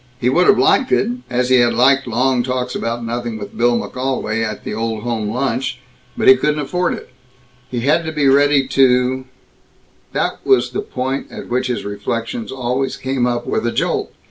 He would have liked it, as he had liked long talks about nothing with Bill McGolwey at the Old Home Lunch. But he couldn't afford it. He had to be ready to That was the point at which his reflections always came up with a jolt.